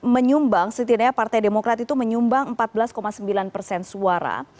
menyumbang setidaknya partai demokrat itu menyumbang empat belas sembilan persen suara